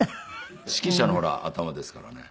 指揮者のほら頭ですからね。